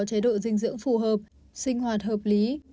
chế độ dinh dưỡng phù hợp sinh hoạt hợp lý